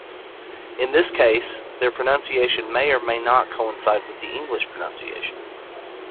In this case, their pronunciation may or may not coincide with the English pronunciation.